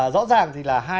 rõ ràng thì là hai